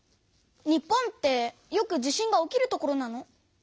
日本ってよく地震が起きる所なの？